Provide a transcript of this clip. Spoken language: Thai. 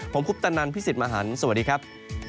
ผมคุปตะนันพี่สิทธิ์มหันฯสวัสดีครับ